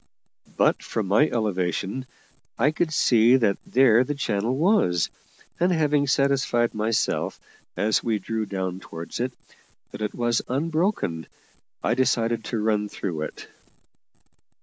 But from my elevation I could see that there the channel was, and having satisfied myself, as we drew down towards it, that it was unbroken, I decided to run in through it.